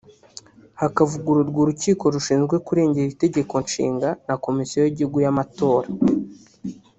hakavugururwa Urukiko rushinzwe kurengera Itegeko Nshinga na Komisiyo y’Igihugu y’Amatora